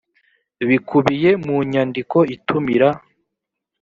ibikubiye mu nyandiko itumira